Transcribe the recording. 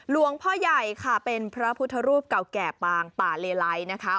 หลวงพ่อใหญ่ค่ะเป็นพระพุทธรูปเก่าแก่ปางป่าเลไลนะคะ